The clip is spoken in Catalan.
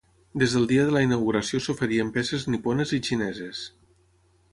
Des del dia de la inauguració s'oferien peces nipones i xineses.